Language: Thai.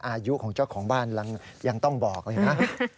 อายุของเจ้าของบ้านยังต้องบอกเลยนะ